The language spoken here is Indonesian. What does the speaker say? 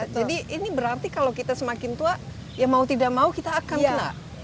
jadi ini berarti kalau kita semakin tua ya mau tidak mau kita akan kena